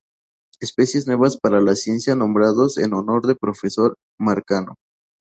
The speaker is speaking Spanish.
Especies nuevas para la ciencia nombradas en honor de Profesor Marcano